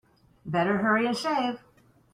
Better hurry and shave.